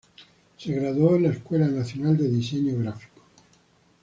Se graduó en la Escuela Nacional de Diseño Gráfico.